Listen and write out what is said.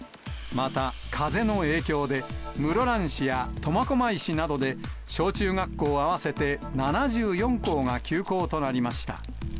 また、風の影響で、室蘭市や苫小牧市などで、小中学校合わせて７４校が休校となりました。